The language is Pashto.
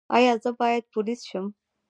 ایا زه باید پولیس شم؟